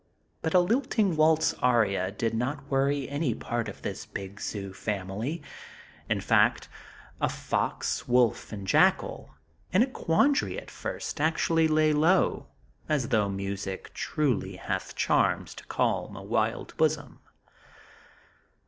But a lilting waltzing aria did not worry any part of this big zoo family; in fact, a fox, wolf and jackal, in a quandary at first actually lay down, as though music truly "hath charms to calm a wild bosom."